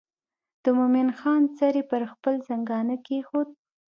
د مومن خان سر یې پر خپل زنګانه کېښود.